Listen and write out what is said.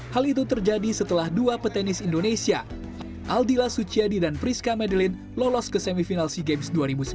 hal itu terjadi setelah dua petenis indonesia aldila suciadi dan priska medelin lolos ke semifinal sea games dua ribu sembilan belas